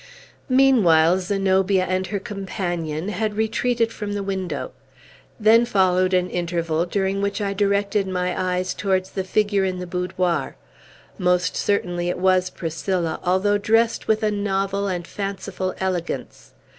Meanwhile, Zenobia and her companion had retreated from the window. Then followed an interval, during which I directed my eves towards the figure in the boudoir. Most certainly it was Priscilla, although dressed with a novel and fanciful elegance.